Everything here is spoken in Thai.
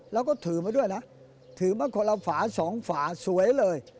แล้วก็ถือมาด้วยนะถือมาคนละฝาสองฝาสวยเลย